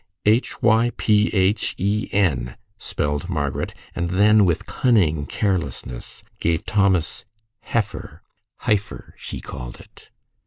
"H y p h e n," spelled Margaret, and then, with cunning carelessness, gave Thomas "heifer." ("Hypher," she called it.)